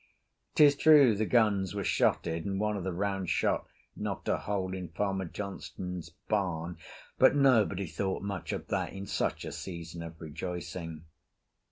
'Tis true the guns were shotted, and one of the round shot knocked a hole in Farmer Johnstone's barn, but nobody thought much of that in such a season of rejoicing.